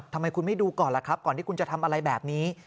ทำไมคุณไม่ดูก่อนล่ะครับก่อนที่คุณจะทำอะไรแบบนี้